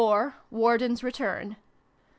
Warden's Return. 5.